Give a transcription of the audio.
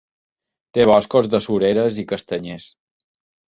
Té boscos de sureres i castanyers.